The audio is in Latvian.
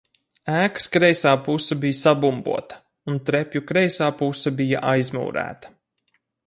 Ēkas kreisā puse bija sabumbota un trepju kreisā puse bija aizmūrēta.